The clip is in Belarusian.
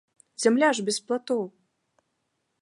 Зямля ж без платоў!